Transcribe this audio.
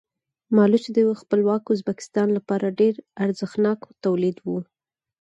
مالوچ د خپلواک ازبکستان لپاره ډېر ارزښتناک تولید و.